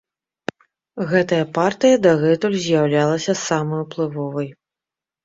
Гэтая партыя дагэтуль з'яўлялася самай уплывовай.